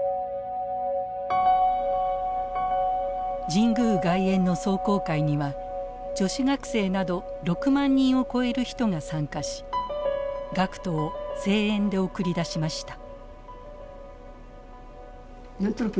神宮外苑の壮行会には女子学生など６万人を超える人が参加し学徒を声援で送り出しました。